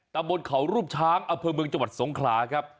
ตำบลเขารูปช้างอำเภอเมืองจังหวัดสงขลาครับ